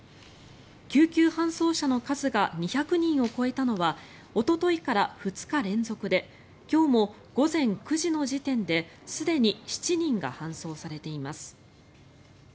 救急搬送者の数が２００人を超えたのはおとといから２日連続で今日も午前９時の時点ですでに７人が搬送されています。